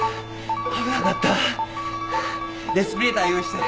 危なかった。